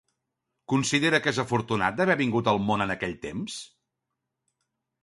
Considera que és afortunat d'haver vingut al món en aquell temps?